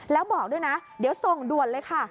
แล้วบอกด้วยนะเดี๋ยวส่งด่วนเลยค่ะ